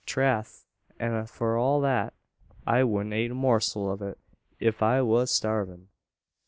"Trath! an for all that, I wudn't ate a morsel av it, if I was starvin'."